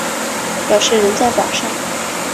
表示仍在榜上